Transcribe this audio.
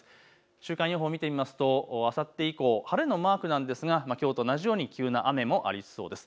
週間予報を見てみますとあさって以降、晴れのマークなんですがきょうと同じように急な雨もありそうです。